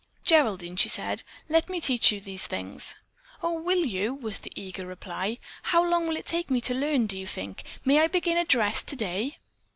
"Geraldine," she said, "let me teach you these things." "Oh, will you?" was the eager reply. "How long will it take me to learn, do you think? May I begin a dress today?"